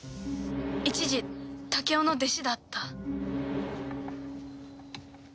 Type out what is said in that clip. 一時武夫の弟子だった。